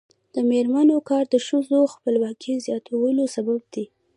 د میرمنو کار د ښځو خپلواکۍ زیاتولو سبب دی.